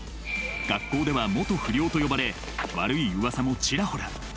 学校では「元不良」と呼ばれ悪いうわさもちらほら。